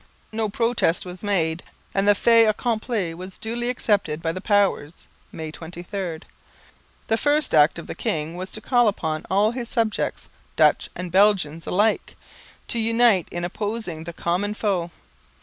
No protest was made; and the fait accompli was duly accepted by the Powers (May 23). The first act of the king was to call upon all his subjects, Dutch and Belgians alike, to unite in opposing the common foe.